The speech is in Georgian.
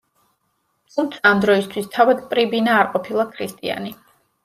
თუმცა ამ დროისთვის თავად პრიბინა არ ყოფილა ქრისტიანი.